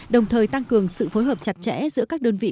đồng thời tăng cường sự phối hợp chặt chẽ giữa các đơn vị